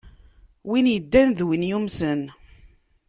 Win yeddan d win yumsen.